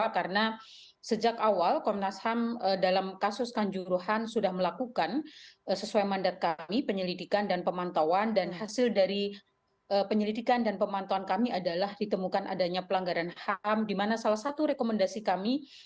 bagaimana dengan komnas ham